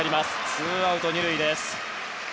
ツーアウト２塁です。